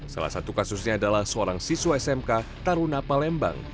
salah satu kasusnya adalah seorang siswa smk tarunapa lembang